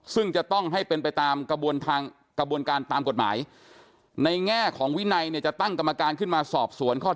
ซึ่งจะต้องให้เป็นไปตามกระบวนการตามกฎหมายในแง่ของวินัยเนี่ยจะตั้งกรรมการขึ้นมาสอบสวนข้อ